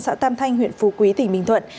xã tam thanh huyện phù quý tỉnh bình thuận